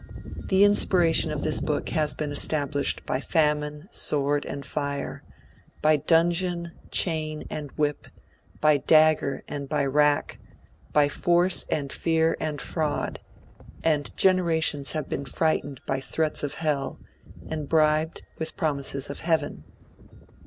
The inspiration of this book has been established by famine, sword and fire, by dungeon, chain and whip, by dagger and by rack, by force and fear and fraud, and generations have been frightened by threats of hell, and bribed with promises of heaven.